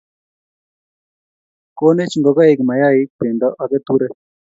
Konech ngokaik mayai, bendo ak keturek